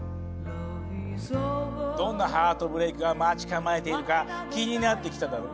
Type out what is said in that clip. どんなハートブレークが待ち構えているか気になってきただろ？